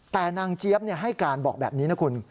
แต่นางเจี๊ยบให้การบอกแบบนี้นะคุณ